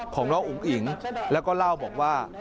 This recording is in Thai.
ของน้องอุ๋งอิ๋งแล้วก็เล่าบอกว่า